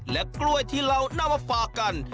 และกล้วยที่เรานำมาฝากกัน